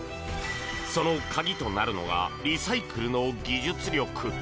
その鍵となるのがリサイクルの技術力。